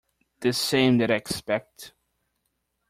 The same that I expect.